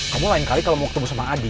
kamu lain kali kalau mau ketemu sama adi